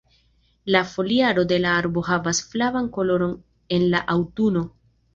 La foliaro de la arbo havas flavan koloron en la aŭtuno.